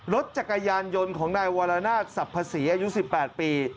รถจักรยานยนต์ของนายวารณาสับภาษีอายุสิบแปดปี